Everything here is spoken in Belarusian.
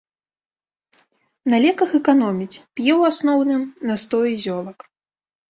На леках эканоміць, п'е, у асноўным, настоі зёлак.